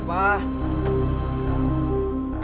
bapak bisa mencoba